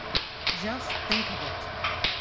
Just think of it!